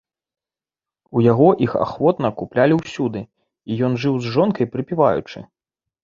У яго іх ахвотна куплялі ўсюды, і ён жыў з жонкай прыпяваючы.